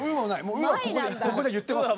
「う」はここで言ってます